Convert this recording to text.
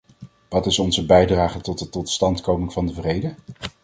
Wat is onze bijdrage tot de totstandkoming van de vrede?